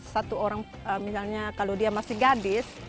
satu orang misalnya kalau dia masih gadis